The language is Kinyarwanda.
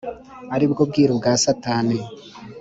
ari bwo bwiru bwa Satani